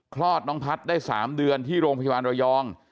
คลอดน้องพัฒน์ได้๓เดือนที่โรงพยาบาลระยอง